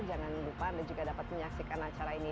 jangan lupa anda juga dapat menyaksikan acara ini